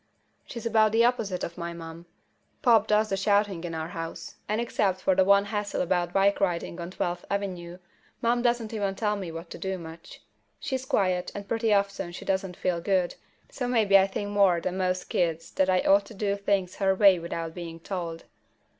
She's about the opposite of my mom. Pop does the shouting in our house, and except for the one hassle about bike riding on Twelfth Avenue, Mom doesn't even tell me what to do much. She's quiet, and pretty often she doesn't feel good, so maybe I think more than most kids that I ought to do things her way without being told.